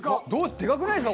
でかくないですか？